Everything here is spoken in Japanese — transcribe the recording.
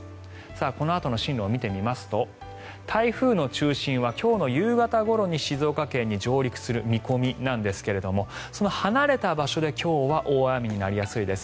このあとの進路を見てみますと台風の中心は今日の夕方ごろに静岡県に上陸する見込みなんですがその離れた場所で今日は大雨になりやすいです。